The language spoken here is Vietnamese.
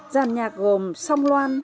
gian nhạc gồm song loan